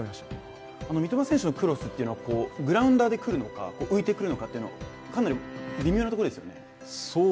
三笘選手のクロスっていうのはグラウンダーでくるか、浮いてくるのかかなり微妙なところですよね？